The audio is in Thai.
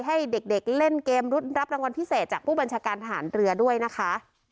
ให้เด็กเล่นเกมรุดรับรางวัลพิเศษจากผู้บัญชาการทหารเรือด้วยนะคะ